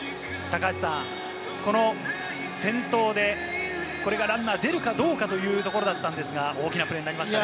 この先頭でこれがランナー出るかどうかというところだったんですが、大きなプレーになりましたね。